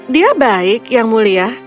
dia baik yang mulia